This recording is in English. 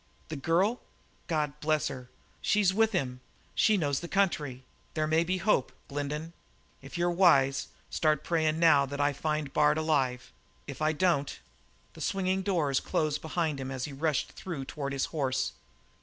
"The girl? God bless her! She's with him; she knows the country. There may be a hope; Glendin, if you're wise, start praying now that I find Bard alive. If I don't " The swinging doors closed behind him as he rushed through toward his horse.